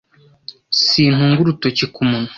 Sintunga urutoki ku munwa,